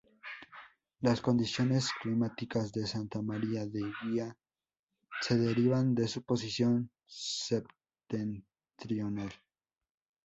Las condiciones climáticas de Santa María de Guía se derivan de su posición septentrional.